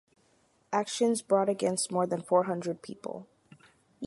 Actions brought against more than four hundred people